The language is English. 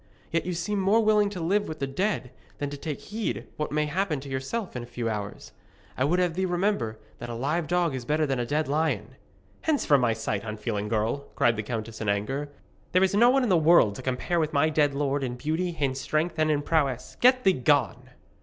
Yet you seem more willing to live with the dead than to take heed what may happen to yourself in a few hours. I would have thee remember that a live dog is better than a dead lion.' 'Hence from my sight, unfeeling girl!' cried the countess in anger. 'There is no one in the world to compare with my dead lord in beauty, in strength, and in prowess. Get thee gone!'